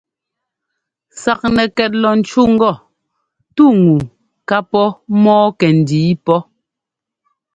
Saknɛkɛt lɔ ńcú ŋgɔ: «tú ŋu ká pɔ́ mɔ́ɔ kɛndǐi pɔ́».